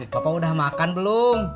bapak udah makan belum